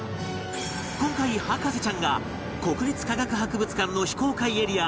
今回博士ちゃんが国立科学博物館の非公開エリア